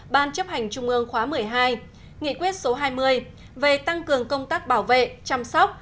ban chấp hành trung ương khóa một mươi hai nghị quyết số hai mươi về tăng cường công tác bảo vệ chăm sóc